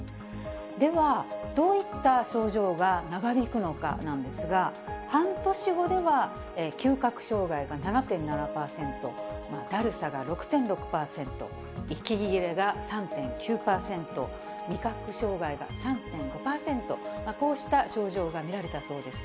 では、どういった症状が長引くのかなんですが、半年後では、嗅覚障害が７．７％、だるさが６．６％、息切れが３．９％、味覚障害が３．５％、こうした症状が見られたそうです。